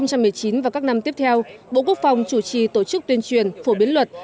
năm hai nghìn một mươi chín và các năm tiếp theo bộ quốc phòng chủ trì tổ chức tuyên truyền phổ biến luật